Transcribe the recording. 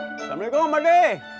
assalamualaikum mbak de